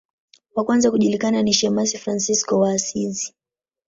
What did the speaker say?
Wa kwanza kujulikana ni shemasi Fransisko wa Asizi.